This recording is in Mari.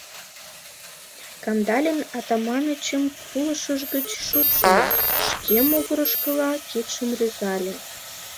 Кандалин Атаманычым пулышыж гыч шупшыльо, шке могырышкыла кидшым рӱзале.